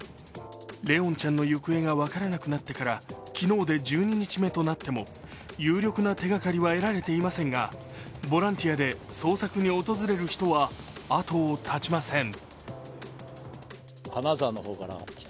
怜音ちゃんの行方が分からなくなってから昨日で１２日目となっても有力な手がかりは得られていませんが、ボランティアで捜索に訪れる人は後を絶ちません。